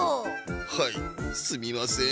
はいすみません。